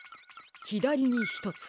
ひだりにひとつ。